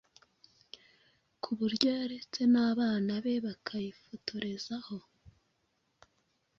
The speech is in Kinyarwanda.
ku buryo yaretse n'abana be bakayifotorezaho